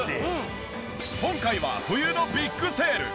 今回は冬のビッグセール！